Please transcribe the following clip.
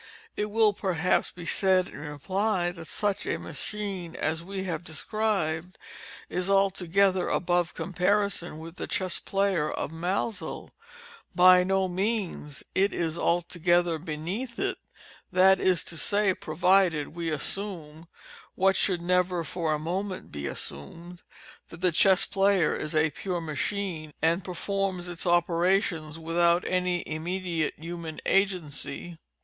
It will, perhaps, be said, in reply, that a machine such as we have described is altogether above comparison with the Chess Player of Maelzel. By no means—it is altogether beneath it—that is to say provided we assume (what should never for a moment be assumed) that the Chess Player is a _pure machine, _and performs its operations without any immediate human agency.